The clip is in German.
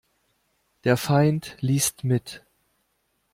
Der Feind liest mit.